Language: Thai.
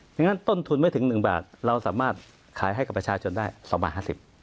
งั้นต้นทุนไม่ถึง๑บาทเราสามารถขายให้กับประชาชนได้๒บาท๕๐บาท